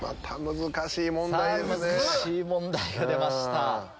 難しい問題が出ました。